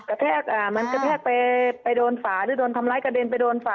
แทกมันกระแทกไปโดนฝาหรือโดนทำร้ายกระเด็นไปโดนฝา